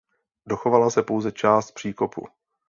Dochovala se pouze část příkopu.